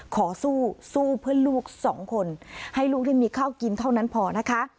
ขอสู้สู้เพื่อลูกสองคนให้ลูกได้มีข้าวกินเท่านั้นพอนะคะ